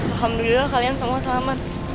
alhamdulillah kalian semua selamat